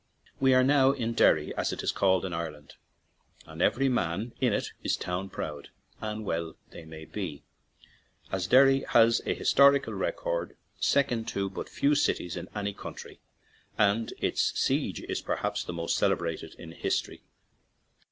We are now in "Deny," as it is called in Ireland, and every man in it is "town proud"; and well he may be, as Derry has 4 NEW YORK TO LONDONDERRY a historical record second to but few cities in any country, and its siege is perhaps the most celebrated in history.